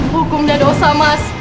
hukum dan dosa mas